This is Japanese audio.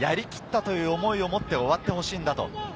やりきったという思いを持って終わってほしいんだと。